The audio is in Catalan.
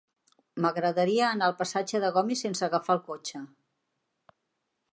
M'agradaria anar al passatge de Gomis sense agafar el cotxe.